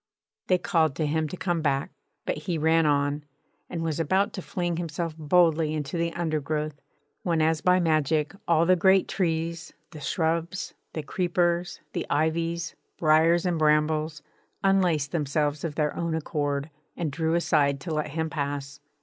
They called to him to come back, but he ran on, and was about to fling himself boldly into the undergrowth, when as by magic all the great trees, the shrubs, the creepers, the ivies, briars and brambles, unlaced themselves of their own accord and drew aside to let him pass.